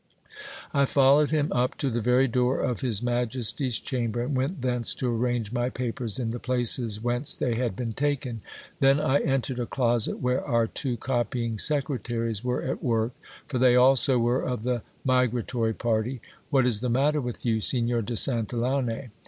I followed him up to the very door of his majesty's chamber, and went thence to arrange my papers in the places whence they had been taken. Then I en tered a closet where our two copying secretaries were at work ; for they also were of the migratory party. What is the matter with you, Signor de Santillane ?